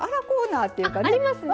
あっありますね。